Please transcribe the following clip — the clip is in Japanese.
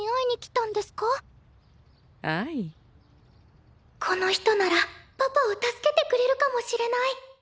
この人ならパパを助けてくれるかもしれない。